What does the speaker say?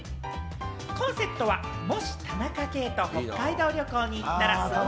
コンセプトは「もし田中圭と北海道旅行に行ったら？」。